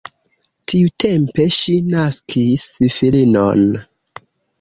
Tiutempe ŝi naskis filinon.